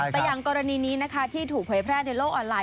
แต่อย่างกรณีนี้นะคะที่ถูกเผยแพร่ในโลกออนไลน